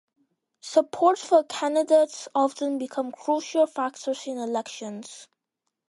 Support for candidates often became crucial factors in elections.